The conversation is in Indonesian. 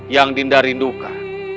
yang dinda rindukan